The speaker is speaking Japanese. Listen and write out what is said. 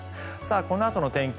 このあとの天気